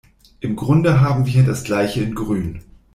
Im Grunde haben wir hier das Gleiche in Grün.